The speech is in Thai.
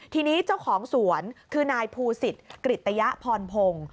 ทีนี้เจ้าของสวนคือนายภูศิษฐ์กริตยพรพงศ์